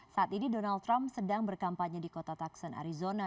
saat ini donald trump sedang berkampanye di kota tuxon arizona